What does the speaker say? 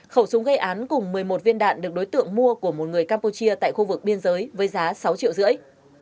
khẩu súng gây án cùng một mươi một viên đạn được đối tượng mua của một người campuchia tại khu vực biên giới với giá sáu triệu rưỡi